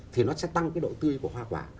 thì nó sẽ tăng cái độ tươi của hoa quả